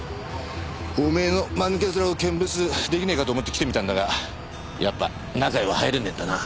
おめえの間抜け面を見物できねえかと思って来てみたんだがやっぱ中へは入れねえんだな。